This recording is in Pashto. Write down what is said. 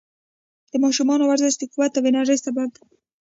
د ماشومانو ورزش د قوت او انرژۍ سبب دی.